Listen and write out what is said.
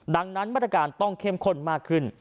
ดังนั้นมาตรการต้องเข้มข้นมากขึ้น